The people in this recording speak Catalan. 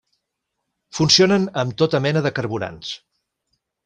Funcionen amb tota mena de carburants.